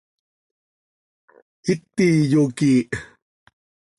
Iti yoquiih.